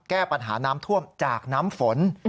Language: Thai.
แก้ปัญหาน้ำท่วมจากน้ำฝน